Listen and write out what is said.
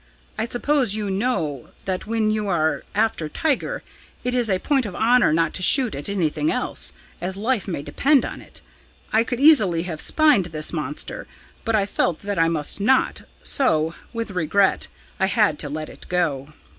I suppose you know that when you are after tiger, it is a point of honour not to shoot at anything else, as life may depend on it. I could easily have spined this monster, but I felt that I must not so, with regret, I had to let it go.'